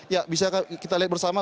ya bisa kita lihat bersama